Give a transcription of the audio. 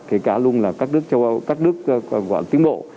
kể cả luôn là các nước tiến bộ